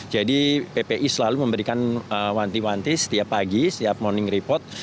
jadi ppi selalu memberikan wanti wanti setiap pagi setiap morning report